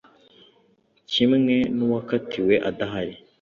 kimwe n’uwakatiwe adahari